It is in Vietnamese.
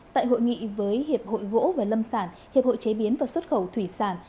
tại hội nghị với hiệp hội gỗ và lâm sản hiệp hội chế biến và xuất khẩu thủy sản